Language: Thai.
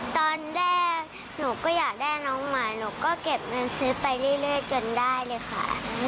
ตอนแรกหนูก็อยากได้น้องใหม่หนูก็เก็บเงินซื้อไปเรื่อยจนได้เลยค่ะ